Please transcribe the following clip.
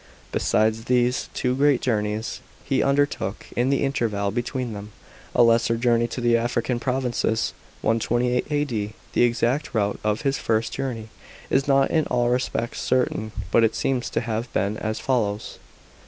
Besides these two great journeys, he undertook, in the interval between them, a lesser journey to the African provinces (128 A.D.). The exact route of his first journey is not in all respects certain, but it seems to have b en as follows.